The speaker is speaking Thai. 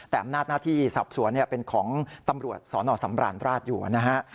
แต่อำนาจหน้าที่สอบสวนเป็นของตำรวจสนสำราญราชอยู่นะฮะ